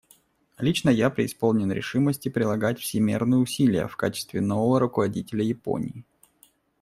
Лично я преисполнен решимости прилагать всемерные усилия в качестве нового руководителя Японии.